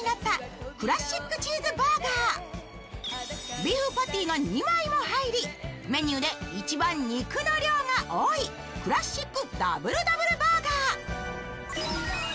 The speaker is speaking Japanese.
ビーフパティか２枚も入り、メニューで一番肉の量が多いクラシックＷＷバーガー。